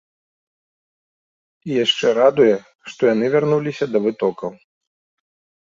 І яшчэ радуе, што яны вярнуліся да вытокаў.